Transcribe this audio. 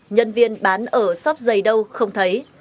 nhân viên bán ở shop giày đâu không thấy